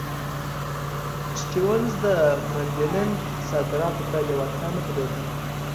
سټیونز د منډلینډ صادراتو ته لېوالتیا نه درلوده.